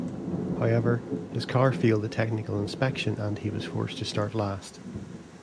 However, his car failed the technical inspection and he was forced to start last.